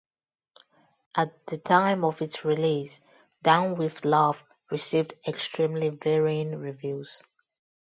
At the time of its release "Down With Love" received extremely varying reviews.